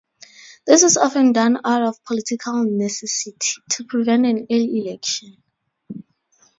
This is often done out of political necessity, to prevent an early election.